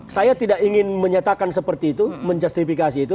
saya tidak ingin menyatakan seperti itu menjustifikasi itu